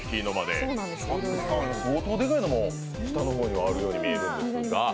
相当でかいのも、下の方にはあるように見えるんですが。